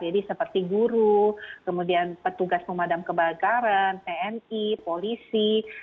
jadi seperti guru kemudian petugas pemadam kebakaran tni polisi